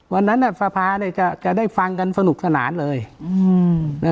วันนั้นอ่ะสภาจะจะได้ฟังกันสนุกสนานเลยอือ